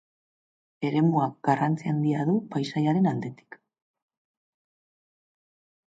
Eremuak garrantzi handia du, paisaiaren aldetik.